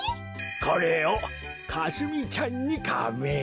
これをかすみちゃんにカメ！